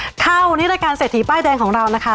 วันนี้รายการเศรษฐีป้ายแดงของเรานะคะ